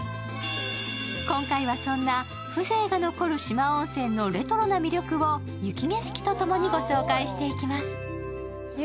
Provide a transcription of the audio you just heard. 今回は、そんな風情が残る四万温泉のレトロな魅力を雪景色と共に紹介していきます。